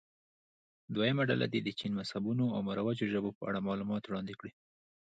دویمه ډله دې د چین مذهبونو او مروجو ژبو په اړه معلومات وړاندې کړي.